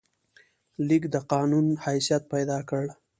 لیک د قانون حیثیت پیدا کړ.